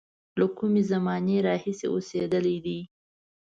له کومې زمانې راهیسې اوسېدلی دی.